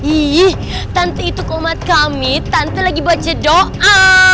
ih tante itu komat kami tante lagi baca doa